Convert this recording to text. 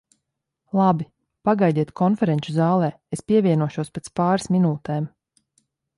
Labi, pagaidiet konferenču zālē, es pievienošos pēc pāris minūtēm.